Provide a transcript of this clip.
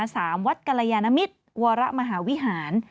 วัดกรยานมิตรวรมหาวิหาร